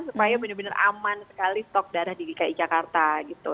supaya benar benar aman sekali stok darah di dki jakarta gitu